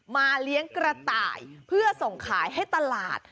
เลี้ยงกระต่ายเพื่อส่งขายให้ตลาด